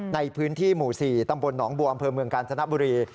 ในพื้นที่หมู่๔ตำบลหนองบัวอำเภอเมืองกาญจนบุรี